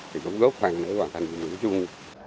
thì cũng góp phần để hoàn thành tình dụ chung